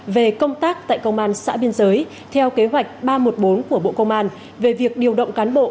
về công tác tại công an xã biên giới theo kế hoạch ba trăm một mươi bốn của bộ công an về việc điều động cán bộ